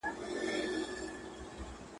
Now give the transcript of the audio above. خدای بېشکه مهربان او نګهبان دی.